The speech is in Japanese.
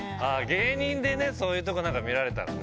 芸人でね、そういうところなんか見られたらね。